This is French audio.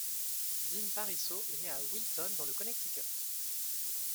Dean Parisot est né à Wilton, dans le Connecticut.